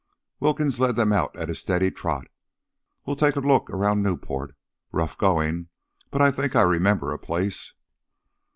Wilkins led them out at a steady trot. "We'll take a look around Newport. Rough going, but I think I remember a place."